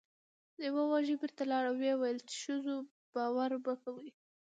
لیوه وږی بیرته لاړ او و یې ویل چې په ښځو باور مه کوئ.